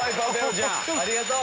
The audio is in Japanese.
ありがとう。